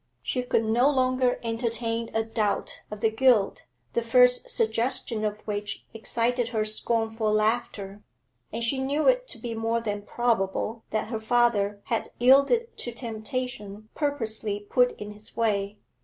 She could no longer entertain a doubt of the guilt the first suggestion of which excited her scornful laughter, and she knew it to be more than probable that her father had yielded to temptation purposely put in his way.